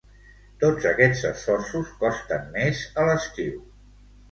Tots aquests esforços costen més a l'estiu